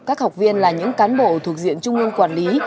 các học viên là những cán bộ thuộc diện trung ương quản lý